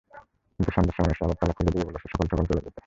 কিন্তু সন্ধ্যার সময় এসে আবার তালা খুলে দিয়ে বলেছে সকালে চলে যেতে।